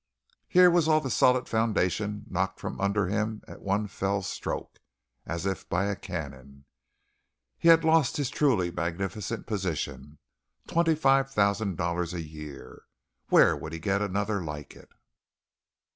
Here was all the solid foundation knocked from under him at one fell stroke, as if by a cannon. He had lost this truly magnificent position, $25,000 a year. Where would he get another like it?